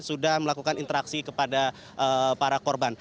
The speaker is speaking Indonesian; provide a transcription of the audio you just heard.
sudah melakukan interaksi kepada para korban